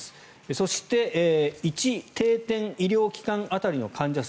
そして１定点医療機関当たりの患者数